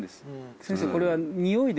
先生。